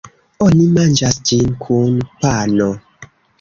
Oni manĝas ĝin kun pano.